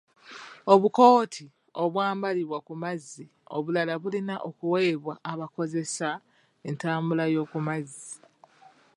Obukooti obwambalibwa ku mazzi obulala bulina okuweebwa abakozesa entambula y'oku amazzi.